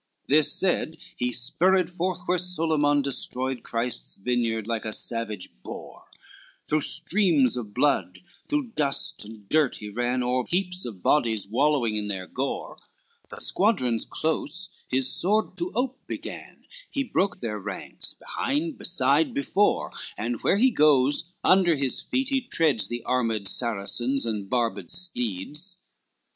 XLVIII This said, he spurred forth where Solyman Destroyed Christ's vineyard like a savage boar, Through streams of blood, through dust and dirt he ran, O'er heaps of bodies wallowing in their gore, The squadrons close his sword to ope began, He broke their ranks, behind, beside, before, And, where he goes, under his feet he treads The armed Saracens, and barbed steeds.